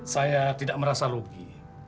saya tidak merasa rugi